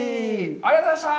ありがとうございます。